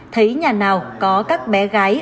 thấy nhà nào có các bé gái